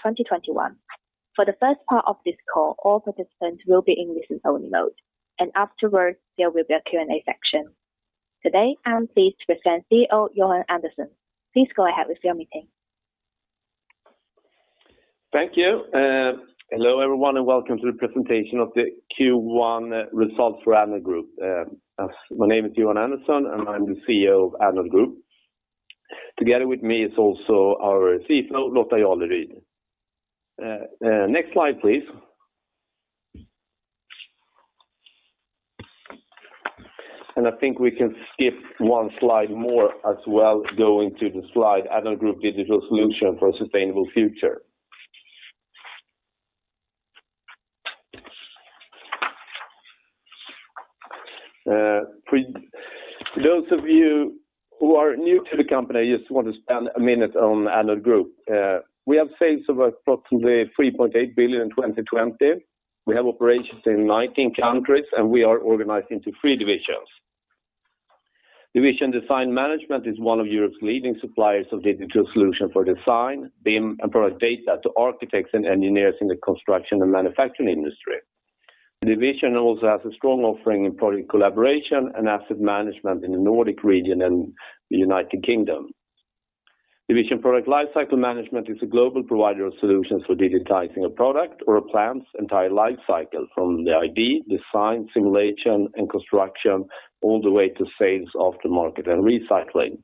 2021. For the first part of this call, all participants will be in listen-only mode, and afterwards, there will be a Q&A section. Today, I'm pleased to present CEO Johan Andersson. Please go ahead with your meeting. Thank you. Hello, everyone, welcome to the presentation of the Q1 results for Addnode Group. My name is Johan Andersson, and I'm the CEO of Addnode Group. Together with me is also our CFO, Lotta Jarleryd. Next slide, please. I think we can skip one slide more as well, going to the slide Addnode Group digital solution for a sustainable future. For those of you who are new to the company, I just want to spend a minute on Addnode Group. We have sales of approximately 3.8 billion in 2020. We have operations in 19 countries, and we are organized into three divisions. Division Design Management is one of Europe's leading suppliers of digital solutions for design, BIM, and product data to architects and engineers in the construction and manufacturing industry. The division also has a strong offering in product collaboration and asset management in the Nordic region and the U.K. Division Product Lifecycle Management is a global provider of solutions for digitizing a product or a plant's entire life cycle, from the idea, design, simulation, and construction, all the way to sales, after market, and recycling.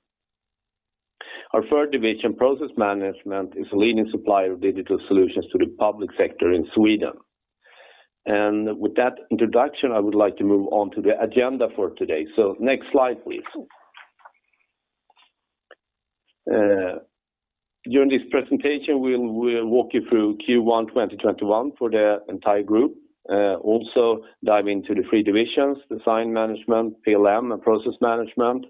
Our third division, Process Management, is a leading supplier of digital solutions to the public sector in Sweden. With that introduction, I would like to move on to the agenda for today. Next slide, please. During this presentation, we'll walk you through Q1 2021 for the entire group. Also dive into the three divisions, Design Management, PLM, and Process Management.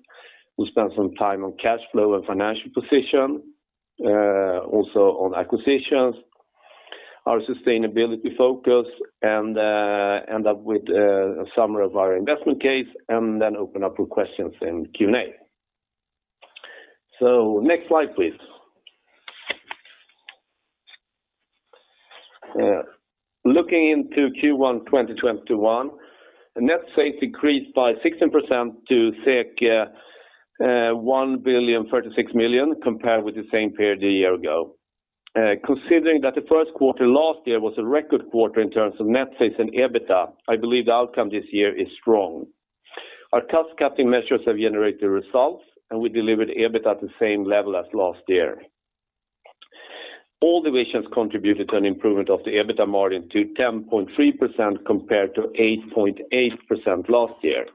We'll spend some time on cash flow and financial position, also on acquisitions, our sustainability focus, and end up with a summary of our investment case, and then open up for questions in Q&A. Next slide, please. Looking into Q1 2021, the net sales decreased by 16% to 1,036 million, compared with the same period a year ago. Considering that the first quarter last year was a record quarter in terms of net sales and EBITDA, I believe the outcome this year is strong. Our cost-cutting measures have generated results, and we delivered EBITDA at the same level as last year. All divisions contributed to an improvement of the EBITDA margin to 10.3% compared to 8.8% last year.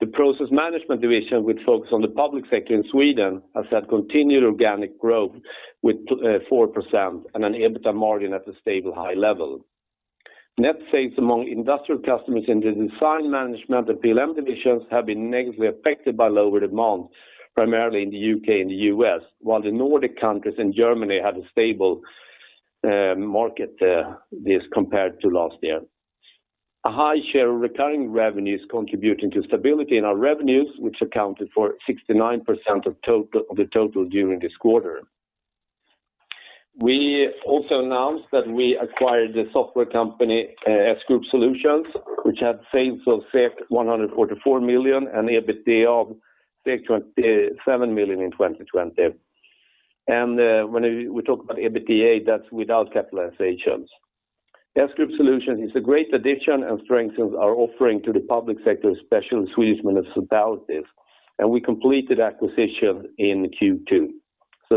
The Process Management Division, which focus on the public sector in Sweden, has had continued organic growth with 4% and an EBITDA margin at a stable high level. Net sales among industrial customers in the Design Management and PLM divisions have been negatively affected by lower demand, primarily in the U.K. and the U.S., while the Nordic countries and Germany had a stable market this compared to last year. A high share of recurring revenues contributing to stability in our revenues, which accounted for 69% of the total during this quarter. We also announced that we acquired the software company S-GROUP Solutions, which had sales of 144 million and EBITDA of 27 million in 2020. When we talk about EBITDA, that's without capitalizations. S-GROUP Solutions is a great addition and strengthens our offering to the public sector, especially Swedish municipalities, and we completed acquisition in Q2.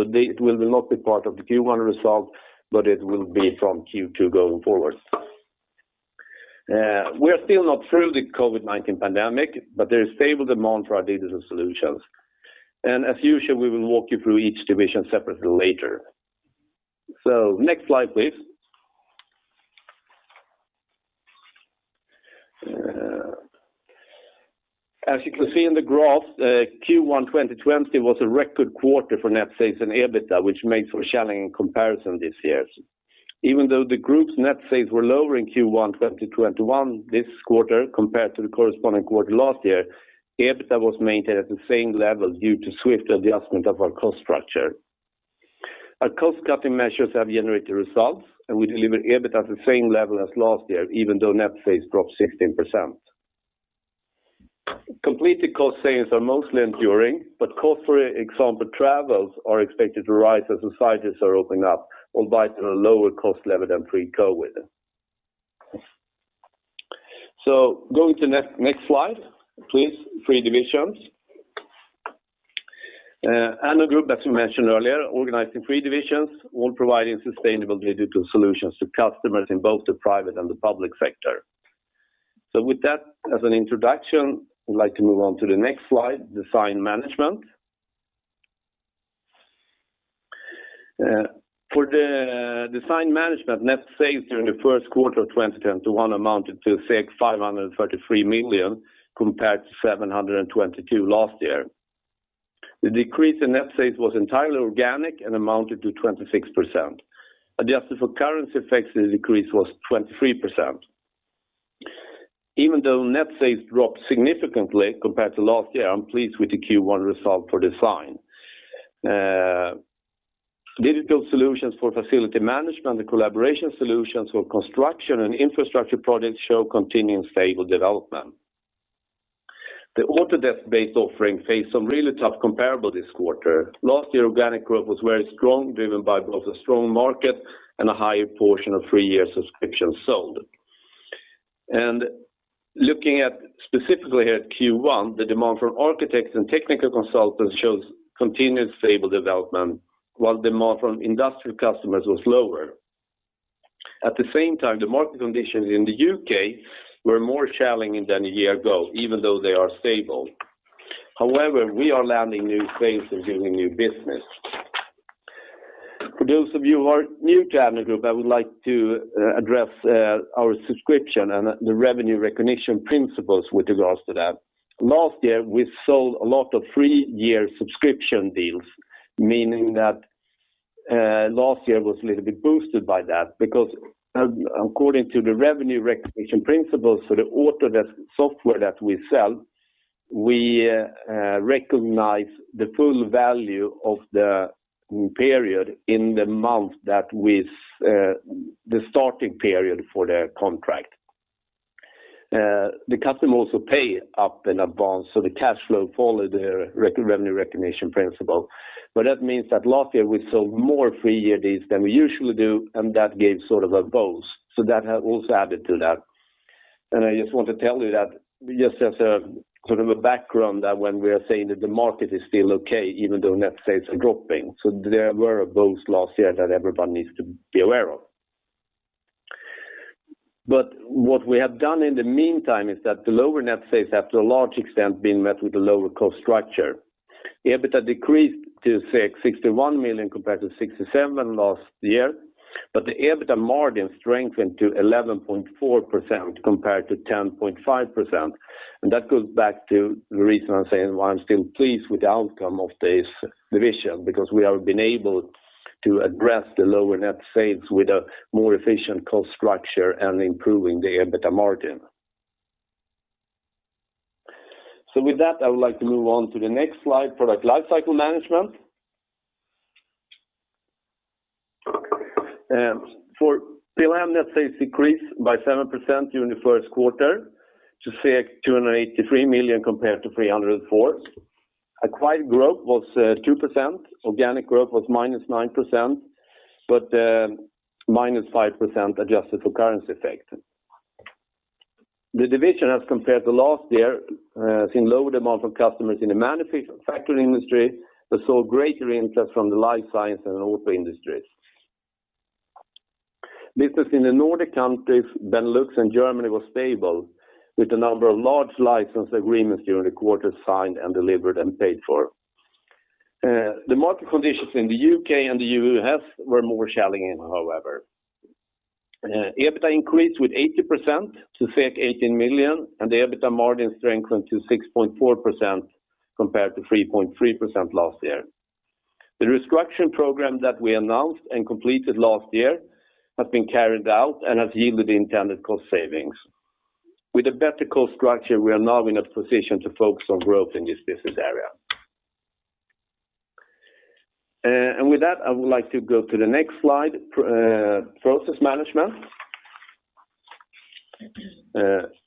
It will not be part of the Q1 result, but it will be from Q2 going forward. We're still not through the COVID-19 pandemic, but there is stable demand for our digital solutions. As usual, we will walk you through each division separately later. Next slide, please. As you can see in the graph, Q1 2020 was a record quarter for net sales and EBITDA, which makes for a challenging comparison this year. Even though the group's net sales were lower in Q1 2021 this quarter compared to the corresponding quarter last year, EBITDA was maintained at the same level due to swift adjustment of our cost structure. Our cost-cutting measures have generated results, and we delivered EBITDA at the same level as last year, even though net sales dropped 16%. Completed cost savings are mostly enduring. Costs, for example, travels are expected to rise as societies are opening up, albeit at a lower cost level than pre-COVID. Going to the next slide, please. Three divisions. Addnode Group, as we mentioned earlier, organized in three divisions, all providing sustainable digital solutions to customers in both the private and the public sector. With that as an introduction, I'd like to move on to the next slide, Design Management. For the Design Management, net sales during the first quarter of 2021 amounted to 533 million compared to 722 million last year. The decrease in net sales was entirely organic and amounted to 26%. Adjusted for currency effects, the decrease was 23%. Even though net sales dropped significantly compared to last year, I'm pleased with the Q1 result for Design. Digital solutions for facility management, the collaboration solutions for construction and infrastructure projects show continuing stable development. The Autodesk-based offering faced some really tough comparable this quarter. Last year, organic growth was very strong, driven by both a strong market and a higher portion of three-year subscriptions sold. Looking at specifically here at Q1, the demand from architects and technical consultants shows continued stable development, while demand from industrial customers was lower. At the same time, the market conditions in the U.K. were more challenging than a year ago, even though they are stable. However, we are landing new sales and winning new business. For those of you who are new to Addnode Group, I would like to address our subscription and the revenue recognition principles with regards to that. Last year, we sold a lot of three-year subscription deals, meaning that last year was a little bit boosted by that, because according to the revenue recognition principles for the Autodesk software that we sell, we recognize the full value of the period in the month that the starting period for the contract. The customer also pay up in advance, so the cash flow followed their revenue recognition principle. That means that last year we sold more three-year deals than we usually do, and that gave sort of a boost. That also added to that. I just want to tell you that just as a background that when we are saying that the market is still okay, even though net sales are dropping, so there were a boost last year that everyone needs to be aware of. What we have done in the meantime is that the lower net sales, after a large extent, have been met with a lower cost structure. EBITDA decreased to 61 million compared to 67 million last year. The EBITDA margin strengthened to 11.4% compared to 10.5%, that goes back to the reason I'm saying why I'm still pleased with the outcome of this division, because we have been able to address the lower net sales with a more efficient cost structure and improving the EBITDA margin. With that, I would like to move on to the next slide, Product Lifecycle Management. For PLM, net sales decreased by 7% during the first quarter to 283 million compared to 304 million. Acquired growth was 2%, organic growth was -9%, -5% adjusted for currency effect. The division as compared to last year, has seen lower demand from customers in the manufacturing industry, but saw greater interest from the life science and auto industries. Business in the Nordic countries, Benelux and Germany was stable with a number of large license agreements during the quarter signed and delivered and paid for. The market conditions in the U.K. and the U.S. were more challenging, however. EBITDA increased with 80% to 18 million and the EBITDA margin strengthened to 6.4% compared to 3.3% last year. The restructuring program that we announced and completed last year has been carried out and has yielded the intended cost savings. With a better cost structure, we are now in a position to focus on growth in this business area. With that, I would like to go to the next slide, Process Management.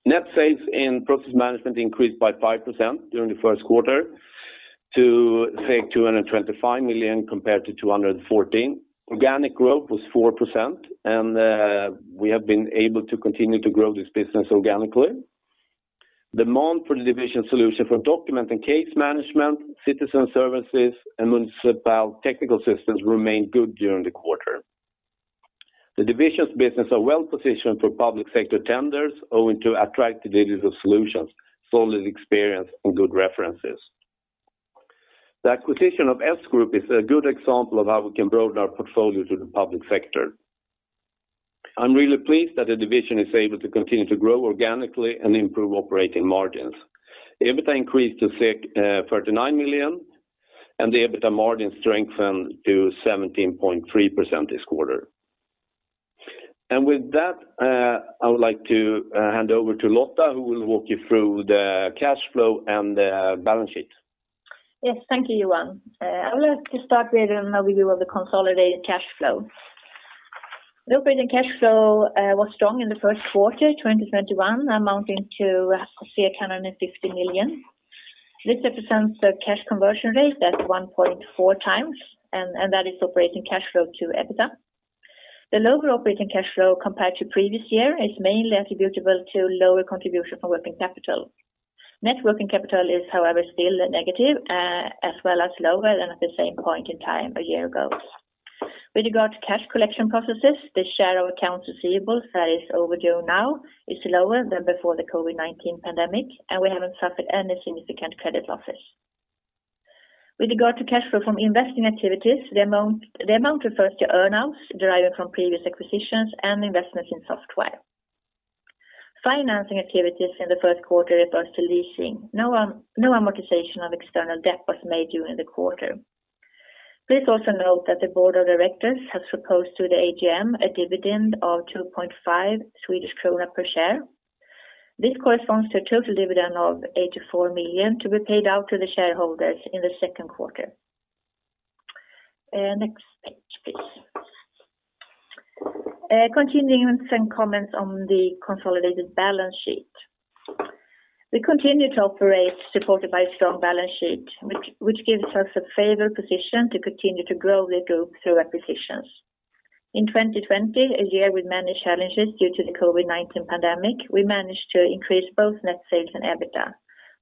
Net sales in Process Management increased by 5% during the first quarter to 225 million compared to 214 million. Organic growth was 4%, and we have been able to continue to grow this business organically. Demand for the division solution for document and case management, citizen services, and municipal technical systems remained good during the quarter. The division's business are well-positioned for public sector tenders owing to attractive digital solutions, solid experience, and good references. The acquisition of S-Group is a good example of how we can broaden our portfolio to the public sector. I'm really pleased that the division is able to continue to grow organically and improve operating margins. EBITDA increased to 39 million, and the EBITDA margin strengthened to 17.3% this quarter. With that, I would like to hand over to Lotta, who will walk you through the cash flow and the balance sheet. Yes. Thank you, Johan. I would like to start with an overview of the consolidated cash flow. Operating cash flow was strong in the first quarter 2021, amounting to 150 million. This represents the cash conversion rate at 1.4x, and that is operating cash flow to EBITDA. The lower operating cash flow compared to previous year is mainly attributable to lower contribution for working capital. Net working capital is however still negative, as well as lower than at the same point in time a year ago. With regard to cash collection processes, the share of accounts receivable that is overdue now is lower than before the COVID-19 pandemic, and we haven't suffered any significant credit losses. With regard to cash flow from investing activities, the amount refers to earn-outs derived from previous acquisitions and investments in software. Financing activities in the first quarter refers to leasing. No amortization of external debt was made during the quarter. Please also note that the board of directors has proposed to the AGM a dividend of 2.5 Swedish krona per share. This corresponds to a total dividend of 84 million to be paid out to the shareholders in the second quarter. Next page, please. Continuing with some comments on the consolidated balance sheet. We continue to operate supported by a strong balance sheet, which gives us a favorable position to continue to grow the group through acquisitions. In 2020, a year with many challenges due to the COVID-19 pandemic, we managed to increase both net sales and EBITDA.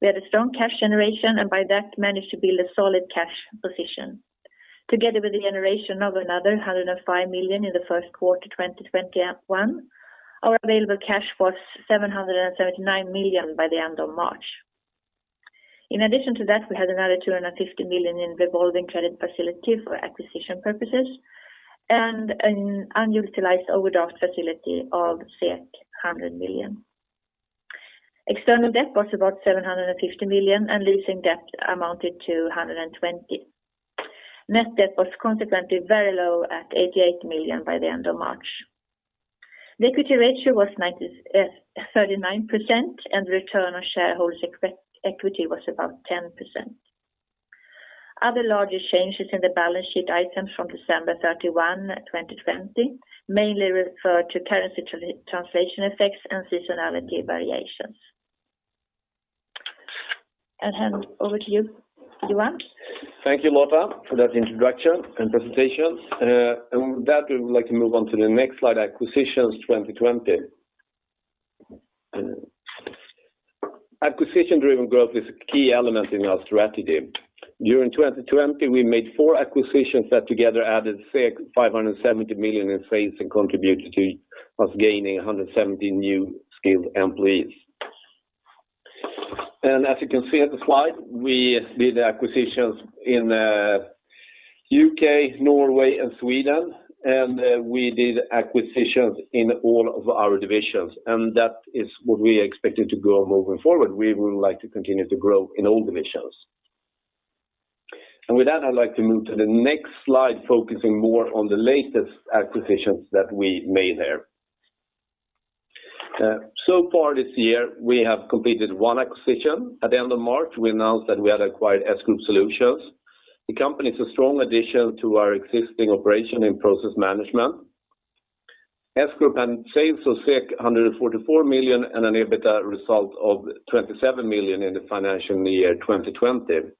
We had a strong cash generation and by that managed to build a solid cash position. Together with the generation of another 105 million in the first quarter 2021, our available cash was 779 million by the end of March. In addition to that, we had another 250 million in revolving credit facility for acquisition purposes and an unutilized overdraft facility of 100 million. External debt was about 750 million, and leasing debt amounted to 120 million. Net debt was consequently very low at 88 million by the end of March. The equity ratio was 39%, and return on shareholders' equity was about 10%. Other larger changes in the balance sheet items from December 31, 2020, mainly refer to currency translation effects and seasonality variations. I'll hand over to you, Johan. Thank you, Lotta, for that introduction and presentation. With that, we would like to move on to the next slide, acquisitions 2020. Acquisition-driven growth is a key element in our strategy. During 2020, we made four acquisitions that together added 570 million in sales and contributed to us gaining 170 new skilled employees. As you can see on the slide, we did acquisitions in U.K., Norway, and Sweden, we did acquisitions in all of our divisions, that is what we expected to grow moving forward. We would like to continue to grow in all divisions. With that, I'd like to move to the next slide, focusing more on the latest acquisitions that we made there. Far this year, we have completed one acquisition. At the end of March, we announced that we had acquired S-GROUP Solutions. The company is a strong addition to our existing operation in Process Management. S-GROUP Solutions had sales of 144 million and an EBITDA result of 27 million in the financial year 2020.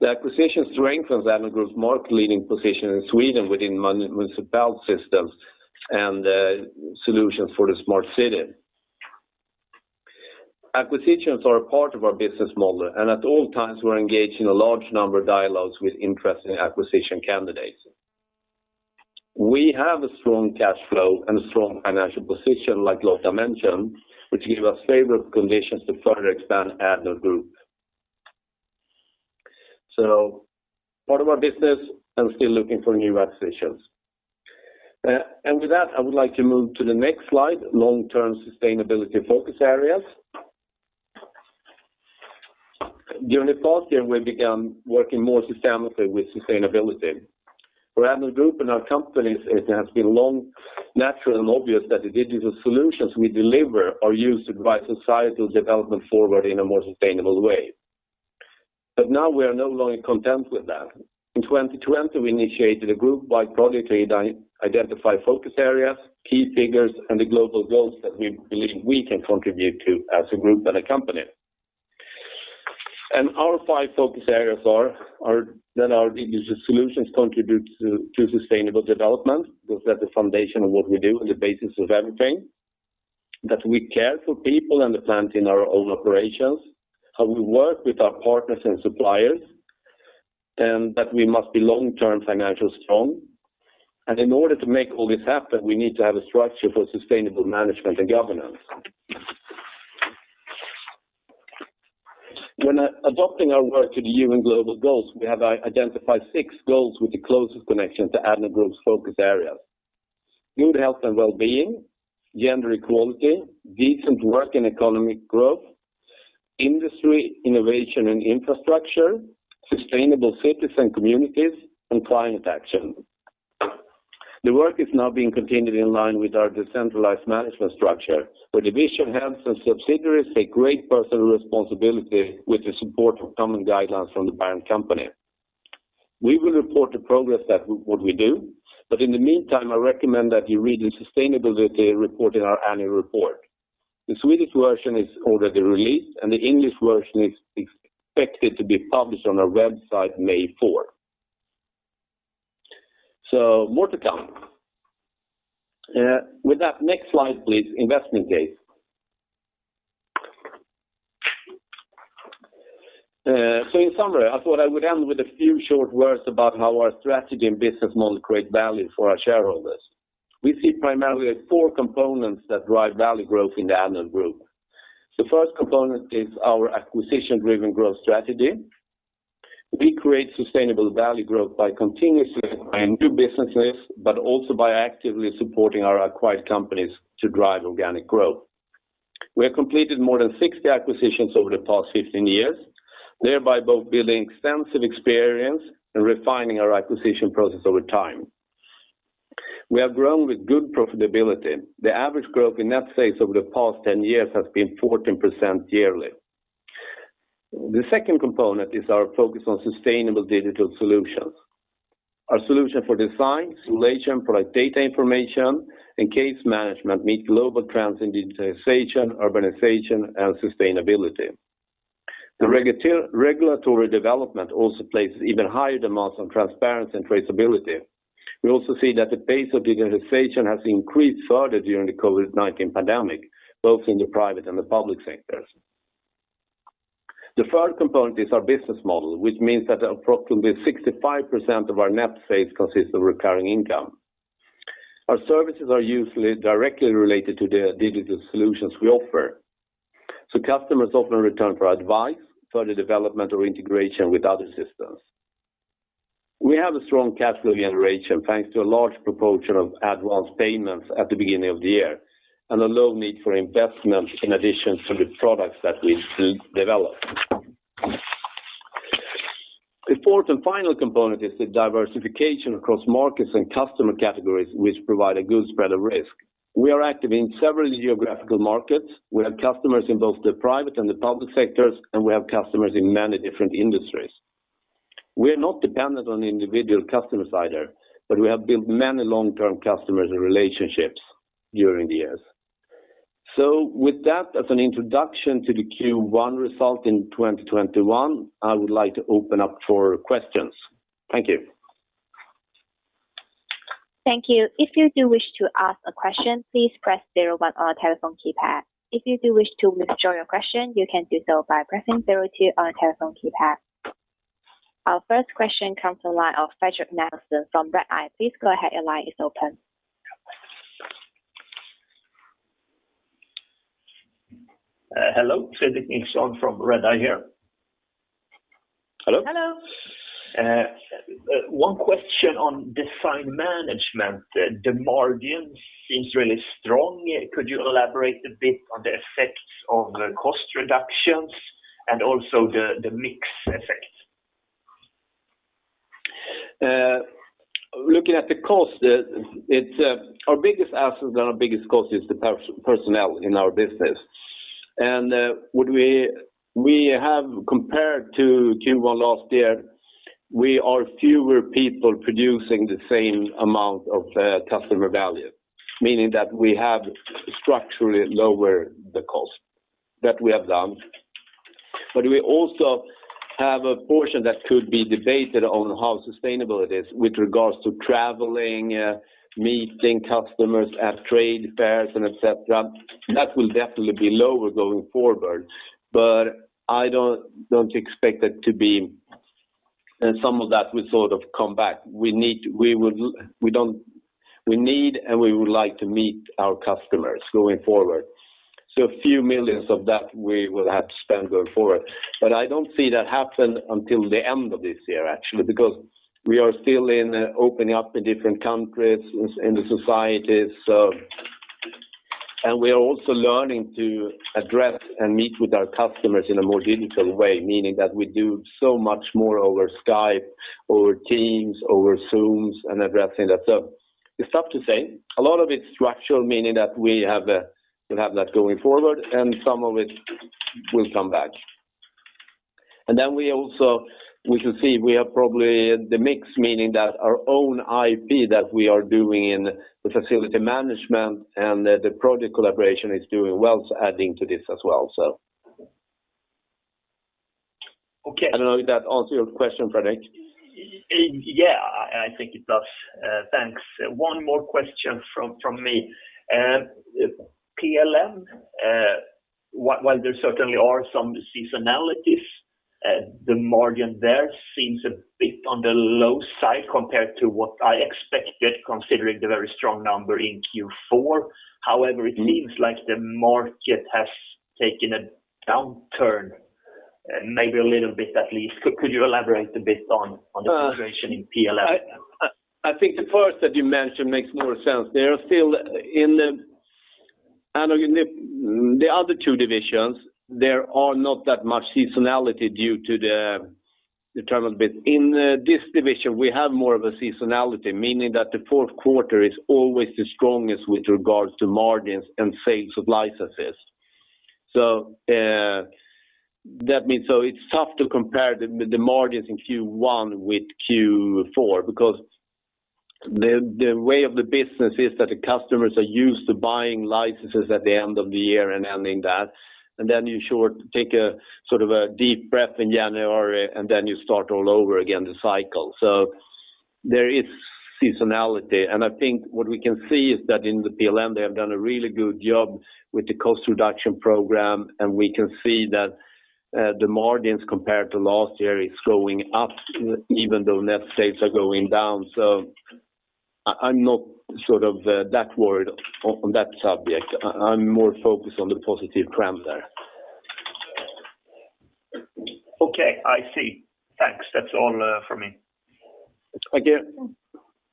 The acquisition strengthens Addnode Group's market-leading position in Sweden within municipal systems and solutions for the smart city. Acquisitions are a part of our business model, and at all times, we are engaged in a large number of dialogues with interesting acquisition candidates. We have a strong cash flow and a strong financial position like Lotta mentioned, which give us favorable conditions to further expand Addnode Group. Part of our business and still looking for new acquisitions. With that, I would like to move to the next slide, long-term sustainability focus areas. During the past year, we began working more systematically with sustainability. For Addnode Group and our companies, it has been long natural and obvious that the digital solutions we deliver are used to drive societal development forward in a more sustainable way. Now we are no longer content with that. In 2020, we initiated a group-wide project to identify focus areas, key figures, and the global goals that we believe we can contribute to as a group and a company. Our five focus areas are that our digital solutions contribute to sustainable development, because that's the foundation of what we do and the basis of everything. That we care for people and the planet in our own operations, how we work with our partners and suppliers, and that we must be long-term financially strong. In order to make all this happen, we need to have a structure for sustainable management and governance. When adopting our work to the UN Global Goals, we have identified six goals with the closest connection to Addnode Group's focus areas. Good health and wellbeing, gender equality, decent work and economic growth, industry, innovation and infrastructure, sustainable cities and communities, and climate action. The work is now being continued in line with our decentralized management structure, where division heads and subsidiaries take great personal responsibility with the support of common guidelines from the parent company. We will report the progress that what we do, but in the meantime, I recommend that you read the sustainability report in our annual report. The Swedish version is already released, and the English version is expected to be published on our website May 4th. More to come. With that, next slide, please. Investment case. In summary, I thought I would end with a few short words about how our strategy and business model create value for our shareholders. We see primarily four components that drive value growth in the Addnode Group. The first component is our acquisition-driven growth strategy. We create sustainable value growth by continuously acquiring new businesses, but also by actively supporting our acquired companies to drive organic growth. We have completed more than 60 acquisitions over the past 15 years, thereby both building extensive experience and refining our acquisition process over time. We have grown with good profitability. The average growth in net sales over the past 10 years has been 14% yearly. The second component is our focus on sustainable digital solutions. Our solution for design, simulation, product data information, and case management meet global trends in digitization, urbanization, and sustainability. The regulatory development also places even higher demands on transparency and traceability. We also see that the pace of digitization has increased further during the COVID-19 pandemic, both in the private and the public sectors. The third component is our business model, which means that approximately 65% of our net sales consist of recurring income. Our services are usually directly related to the digital solutions we offer, so customers often return for advice, further development, or integration with other systems. We have a strong cash flow generation, thanks to a large proportion of advance payments at the beginning of the year and a low need for investment in addition to the products that we develop. The fourth and final component is the diversification across markets and customer categories, which provide a good spread of risk. We are active in several geographical markets. We have customers in both the private and the public sectors, and we have customers in many different industries. We are not dependent on individual customers either, but we have built many long-term customers and relationships during the years. With that as an introduction to the Q1 result in 2021, I would like to open up for questions. Thank you. Thank you. If you do wish to ask a question, please press zero one on your telephone keypad. If you do wish to withdraw your question, you can do so by pressing zero two on your telephone keypad. Our first question comes from the line of Fredrik Nilsson from Redeye. Please go ahead, your line is open. Hello, Fredrik Nilsson from Redeye here. Hello? Hello. One question on Design Management. The margin seems really strong. Could you elaborate a bit on the effects of the cost reductions and also the mix effect? Looking at the cost, our biggest asset and our biggest cost is the personnel in our business. Compared to Q1 last year, we are fewer people producing the same amount of customer value, meaning that we have structurally lowered the cost that we have done. We also have a portion that could be debated on how sustainable it is with regards to traveling, meeting customers at trade fairs, and et cetera. That will definitely be lower going forward, but some of that will sort of come back. We need and we would like to meet our customers going forward. A few million of that we will have to spend going forward. I don't see that happen until the end of this year, actually, because we are still in opening up in different countries, in the societies. We are also learning to address and meet with our customers in a more digital way, meaning that we do so much more over Skype, over Teams, over Zoom, and addressing that. It's tough to say. A lot of it's structural, meaning that we have that going forward, and some of it will come back. We also, we should see we have probably the mix, meaning that our own IP that we are doing in the facility management and the project collaboration is doing well to adding to this as well. Okay. I don't know if that answers your question, Fredrik. I think it does. Thanks. One more question from me. PLM, while there certainly are some seasonalities, the margin there seems a bit on the low side compared to what I expected, considering the very strong number in Q4. It seems like the market has taken a downturn, maybe a little bit at least. Could you elaborate a bit on the situation in PLM? I think the first that you mentioned makes more sense. The other two divisions, there are not that much seasonality due to the term business. In this division, we have more of a seasonality, meaning that the fourth quarter is always the strongest with regards to margins and sales of licenses. It's tough to compare the margins in Q1 with Q4 because the way of the business is that the customers are used to buying licenses at the end of the year and ending that. You sort of take a deep breath in January, and then you start all over again, the cycle. There is seasonality, and I think what we can see is that in the PLM, they have done a really good job with the cost reduction program, and we can see that the margins compared to last year is going up, even though net sales are going down. I'm not that worried on that subject. I'm more focused on the positive trend there. Okay, I see. Thanks. That's all from me. Thank you.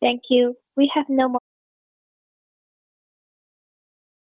Thank you. We have no more.